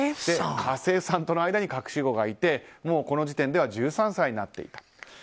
家政婦さんとの間に隠し子がいてこの時点では１３歳になっていたと。